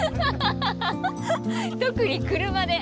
特に車で。